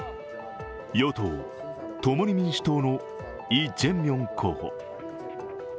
与党・共に民主党のイ・ジェミョン候補。